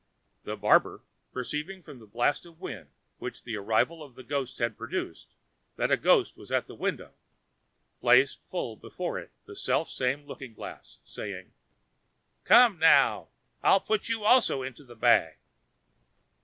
The barber, perceiving from the blast of wind which the arrival of the ghost had produced that a ghost was at the window, placed full before it the self same looking glass, saying, "Come now, I'll put you also into the bag."